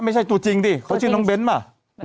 ไม่ใช่ตัวจริงดิเขาชื่อน้องเบ้นป่ะ